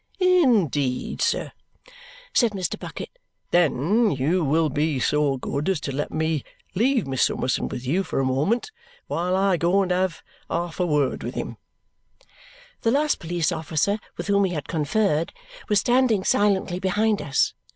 "Indeed, sir?" said Mr. Bucket. "Then you will be so good as to let me leave Miss Summerson with you for a moment while I go and have half a word with him?" The last police officer with whom he had conferred was standing silently behind us.